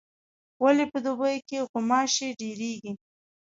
ولي په دوبي کي غوماشي ډیریږي؟